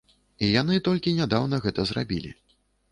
І яны толькі нядаўна гэта зрабілі.